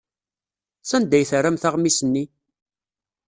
Sanda ay terramt aɣmis-nni?